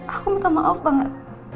aku minta maaf banget